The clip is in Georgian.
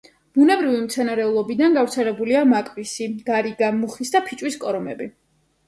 ბუნებრივი მცენარეულობიდან გავრცელებულია მაკვისი, გარიგა, მუხის და ფიჭვის კორომები.